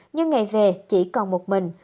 nhưng ngày về chỉ còn một mình